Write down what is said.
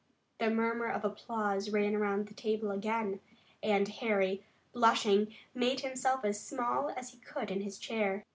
The murmur of applause ran around the table again, and Harry, blushing, made himself as small as he could in his chair.